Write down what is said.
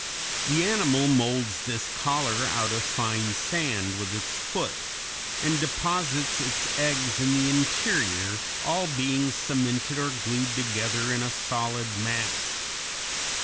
The animal molds this collar out of fine sand with its foot, and deposits its eggs in the interior, all being cemented or glued together in a solid mass.